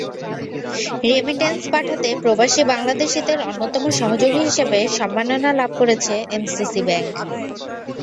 Remittance পাঠাতে প্রবাসী বাংলাদেশিদের অন্যতম সহযোগী হিসেবে সম্মাননা লাভ করেছে এনসিসি ব্যাংক।